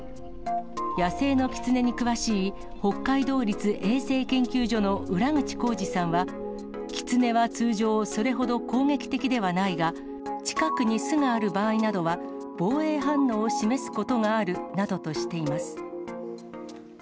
野生のキツネに詳しい北海道立衛生研究所の浦口宏二さんは、キツネは通常、それほど攻撃的ではないが、近くに巣がある場合などは、防衛反応を示すことがあるなどとしています。